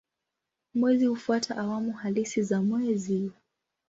Mwezi hufuata awamu halisi za mwezi.